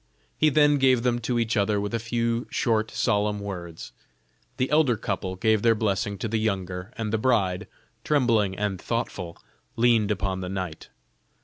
He then gave them to each other with a few short solemn words; the elder couple gave their blessing to the younger, and the bride, trembling and thoughtful, leaned upon the knight.